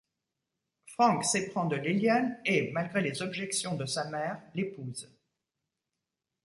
Frank s'éprend de Lillian et, malgré les objections de sa mère, l'épouse.